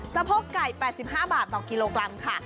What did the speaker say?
สะโพกไก่๘๕บาทต่อกิโลกรัมค่ะ